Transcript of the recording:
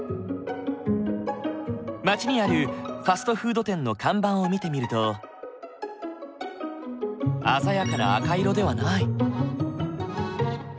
街にあるファストフード店の看板を見てみると鮮やかな赤色ではない。